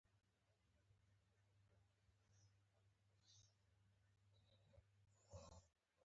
قهر لرونکې خندا به را ته راغلې.